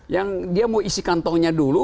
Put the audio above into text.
yang dia mau isi kantongnya dulu